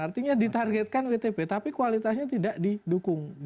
artinya ditargetkan wtp tapi kualitasnya tidak didukung